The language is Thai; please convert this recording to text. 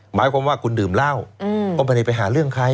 หมายความว่าคุณดื่มเหล้าก็ไม่ได้ไปหาเรื่องใคร